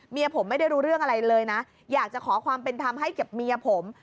เมียผมไม่ได้รู้เรื่องอะไรเลยนะอยากจะขอความเป็นธรรมให้กับเมียผม